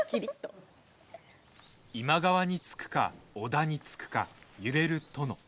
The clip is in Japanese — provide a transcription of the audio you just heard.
今川につくか、織田につくか揺れる殿。